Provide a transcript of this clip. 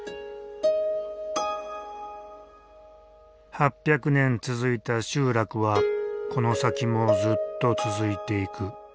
８００年続いた集落はこの先もずっと続いていく。